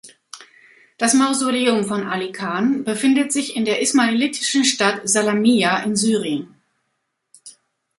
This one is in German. Das Mausoleum von Aly Khan befindet sich in der ismailitischen Stadt Salamiyya in Syrien.